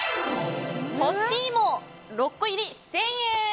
ほっしぃも６個入り１０００円。